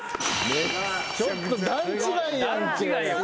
ちょっと段違いやんけ。